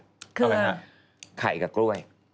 คือไข่กับกล้วย